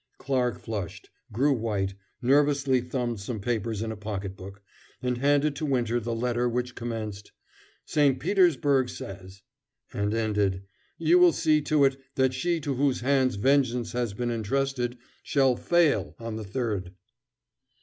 Clarke flushed, grew white, nervously thumbed some papers in a pocketbook, and handed to Winter the letter which commenced: "St. Petersburg says ..." and ended: "You will see to it that she to whose hands vengeance has been intrusted shall fail on the 3d."